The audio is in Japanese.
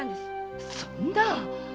そんな！